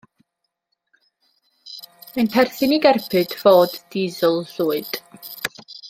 Mae'n perthyn i gerbyd Ford disel llwyd.